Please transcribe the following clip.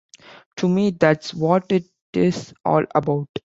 To me, that's what it is all about.